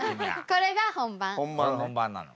これ本番なの？